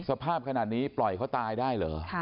สภาพขนาดนี้ปล่อยเขาตายได้เหรอ